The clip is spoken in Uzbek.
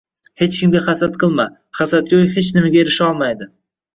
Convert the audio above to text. Hech kimga hasad qilma. Hasadgo’y hech nimaga erisholmaydi.